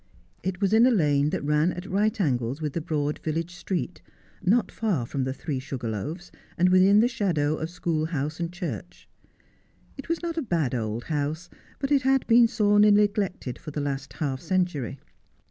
It was in a lane that ran at right angles with the broad village street, not far from the ' Three Sugar Loaves,' and within the shadow of school house and church. It was not a bad old house, but it had been sorely neglected for the last half century.